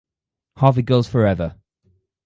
Harvey Girls Forever!